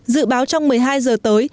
dự báo trong một mươi hai giờ